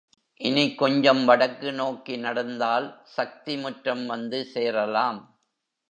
இனிக் கொஞ்சம் வடக்கு நோக்கி நடந்தால் சக்தி முற்றம் வந்து சேரலாம்.